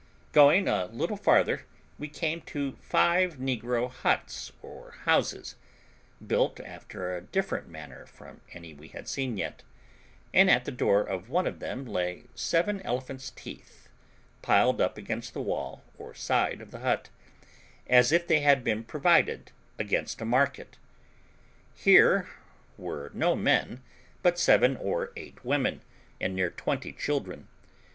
Going a little farther, we came to five negro huts or houses, built after a different manner from any we had seen yet; and at the door of one of them lay seven elephants' teeth, piled up against the wall or side of the hut, as if they had been provided against a market. Here were no men, but seven or eight women, and near twenty children.